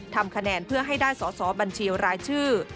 ทำคะแนนเพื่อให้ได้สอสอบัญชีรายชื่อ